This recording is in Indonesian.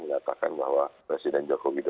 mengatakan bahwa presiden jokowi dodo